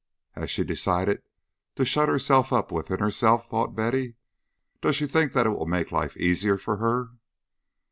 "Has she decided to shut herself up within herself?" thought Betty. "Does she think that will make life easier for her?"